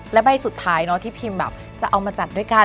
และใบสุดท้ายที่พิมแบบจะเอามาจัดด้วยกัน